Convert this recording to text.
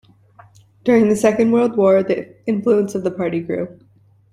During the Second World War the influence of the party grew.